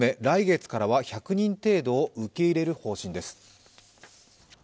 来月からは１００人程度を受け入れる方針です。